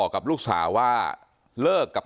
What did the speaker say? ไม่ตั้งใจครับ